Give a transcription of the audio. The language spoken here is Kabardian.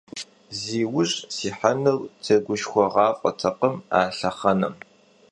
Зи ужь сихьэнур тегушхуэгъуафӀэтэкъым а лъэхъэнэм.